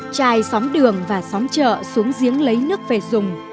trài sóng đường và sóng chợ xuống giếng lấy nước về dùng